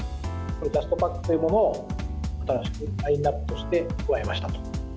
ジャストパックというものを新しくラインナップとして加えました。